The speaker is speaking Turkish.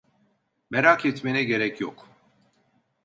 Merak etmene gerek yok.